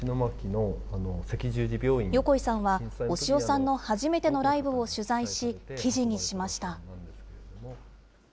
横井さんは、押尾さんの初めてのライブを取材し、記事にしました。